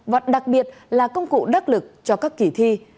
và đặc biệt là công cụ đắc lực cho các kỳ thi